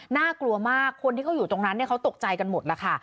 น่ากลัวมากคนที่เขาอยู่ตรงนั้นเขาตกใจกันหมดแล้วค่ะ